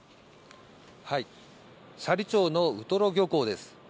斜里町のウトロ漁港です。